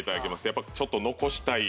やっぱちょっと残したい。